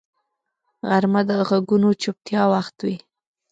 غرمه د غږونو چوپتیا وخت وي